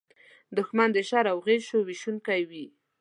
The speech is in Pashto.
دښمن د شر د غشو ویشونکی وي